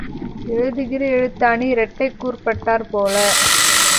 எழுதுகிற எழுத்தாணி இரட்டைக் கூர்பட்டாற் போல.